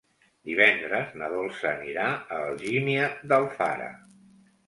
Divendres na Dolça anirà a Algímia d'Alfara.